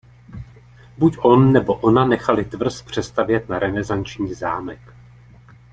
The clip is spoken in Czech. Buď on nebo ona nechali tvrz přestavět na renesanční zámek.